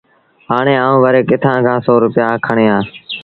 هآڻي آئوݩ وري ڪٿآݩ کآݩ سو روپيآ کڻيٚ آݩ